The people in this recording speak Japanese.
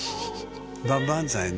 万万歳ね。